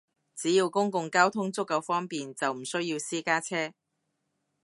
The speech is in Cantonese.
只要公共交通足夠方便，就唔需要私家車